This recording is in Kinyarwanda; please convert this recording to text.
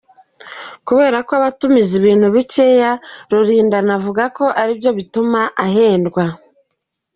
Kubera ko aba atumiza ibintu bikeya, Rulindana avuga ko aribyo bituma ahendwa.